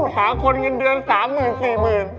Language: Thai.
หาคนเงินเดือน๓หมื่น๔หมื่น